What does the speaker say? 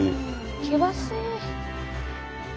険しい！